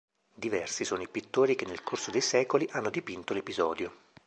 Diversi sono i pittori che nel corso dei secoli hanno dipinto l'episodio.